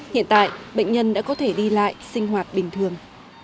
hiện tại bệnh nhân đã có thể đi lại sinh hoạt bình thường